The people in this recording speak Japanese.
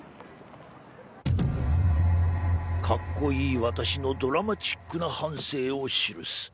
「かっこいい私のドラマチックな半生を記す。